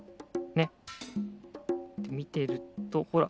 ねっ？でみてるとほら！